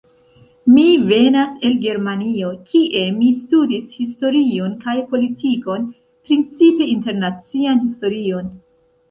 Mi venas el Germanio, kie mi studis historion kaj politikon, principe internacian historion.